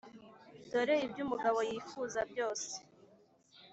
dore ibyo umugabo yifuza byose.